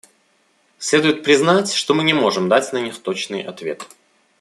Следует признать, что мы не можем дать на них точный ответ.